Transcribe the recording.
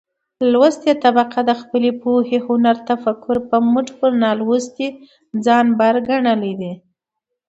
لوستې طبقه د خپلې پوهې، هنر ،تفکر په مټ پر نالوستې ځان بر ګنلى دى.